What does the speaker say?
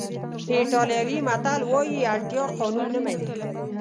ایټالوي متل وایي اړتیا قانون نه مني.